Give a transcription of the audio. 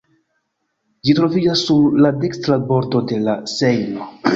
Ĝi troviĝas sur la dekstra bordo de la Sejno.